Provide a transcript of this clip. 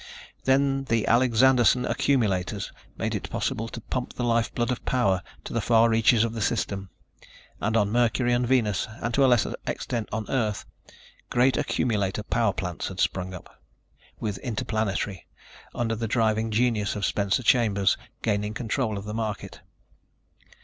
Then the Alexanderson accumulators made it possible to pump the life blood of power to the far reaches of the System, and on Mercury and Venus, and to a lesser extent on Earth, great accumulator power plants had sprung up, with Interplanetary, under the driving genius of Spencer Chambers, gaining control of the market.